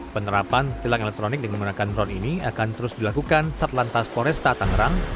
penerapan telang elektronik dengan menggunakan drone ini akan terus dilakukan sarlantas foresta tangerang